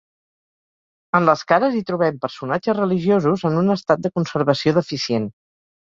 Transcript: En les cares hi trobem personatges religiosos en un estat de conservació deficient.